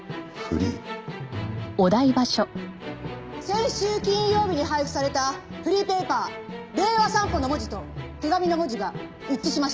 先週金曜日に配布されたフリーペーパー『令和散歩』の文字と手紙の文字が一致しました。